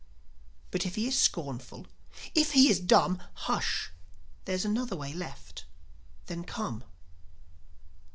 But, if he is scornful, if he is dumb, Hush! There's another way left. Then come.